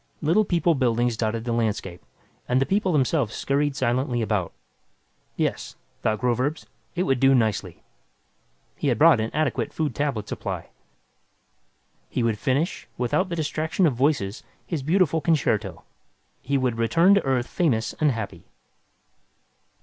Little People buildings dotted the landscape, and the people themselves scurried silently about. Yes, thought Groverzb, it would do nicely. He had brought an adequate food tablet supply. He would finish, without the distraction of voices, his beautiful concerto. He would return to Earth famous and happy.